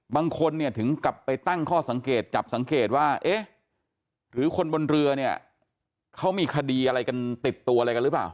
บางคนเนี่ยถึงกลับไปตั้งข้อสังเกตจับสังเกตว่าเอ๊ะหรือคนบนเรือเนี่ยเขามีคดีอะไรกันติดตัวอะไรกันหรือเปล่า